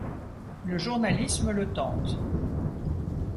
Le journalisme le tente.